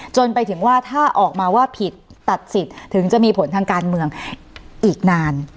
จนไปถึงว่าถ้าออกมาว่าผิดตัดสิทธิ์ถึงจะมีผลทางการเมืองอีกนาน